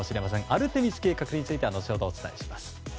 アルテミス計画については後ほどお伝えします。